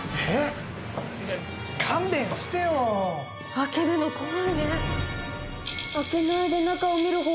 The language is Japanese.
開けるの怖いね。